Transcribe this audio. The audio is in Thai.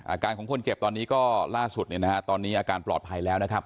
อาการของคนเจ็บตอนนี้ก็ล่าสุดตอนนี้อาการปลอดภัยแล้ว